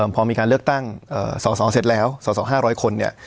พอมีการเลือกตั้งสอสอเสร็จแล้วสส๕๐๐คนเนี่ย